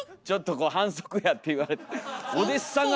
ちょっと反則やって言われて。